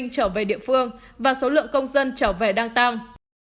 trở về địa phương và số lượng công dân trở về đang tăng